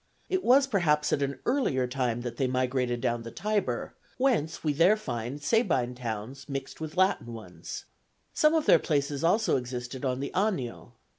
It was perhaps at an earlier time that they migrated down the Tiber, whence we there find Sabine towns mixed with Latin ones; some of their places also existed on the Anio.